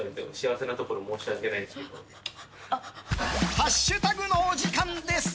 ハッシュタグのお時間です！